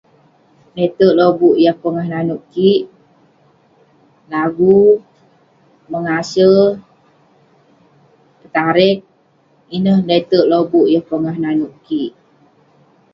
Lete'erk lobuk yah pongah naneuk kik, lagu, mengase, petareq...Ineh lete'erk lobuk yah pongah naneuk kik.